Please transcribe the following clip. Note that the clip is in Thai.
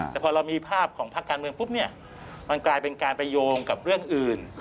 แต่พอเรามีภาพของพักการเมืองปุ๊บเนี่ยมันกลายเป็นการไปโยงกับเรื่องอื่น